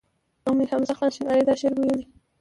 امیر حمزه خان شینواری دا شعر ویلی.